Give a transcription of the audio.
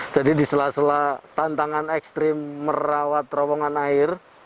jadi di sela sela tantangan ekstrim merawat terowongan air